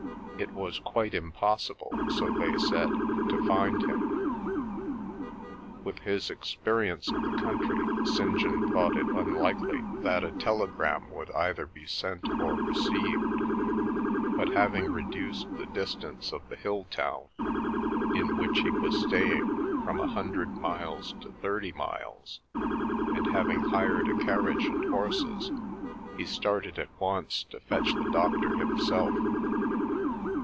It was quite impossible, so they said, to find him. With his experience of the country, St. John thought it unlikely that a telegram would either be sent or received; but having reduced the distance of the hill town, in which he was staying, from a hundred miles to thirty miles, and having hired a carriage and horses, he started at once to fetch the doctor himself.